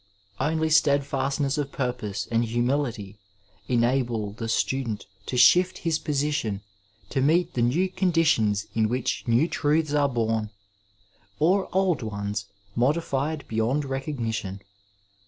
^ Only steadfast ness of purpose and humility enable the student to shift his portion to meet the new conditions in which new truths are bom, or old ones modified beyond recognition..